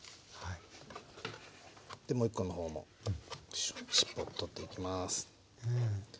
でもう１コの方もしっぽを取っていきます。